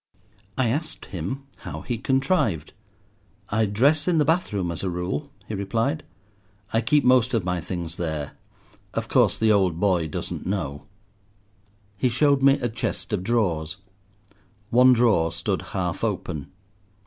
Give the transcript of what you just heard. I asked him how he contrived. "I dress in the bath room as a rule," he replied; "I keep most of my things there. Of course the old boy doesn't know." He showed me a chest of drawers. One drawer stood half open.